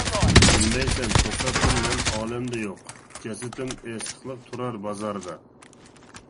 بىلمەيسەن توساتتىن مەن ئالەمدە يوق، جەسىتىم ئېسىقلىق تۇرار بازاردا.